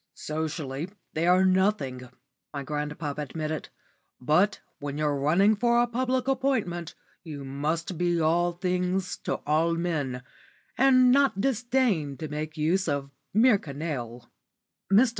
"Socially they are nothing," my grandpapa admitted; "but when you're running for a public appointment you must be all things to all men, and not disdain to make use of mere canaille." Mr.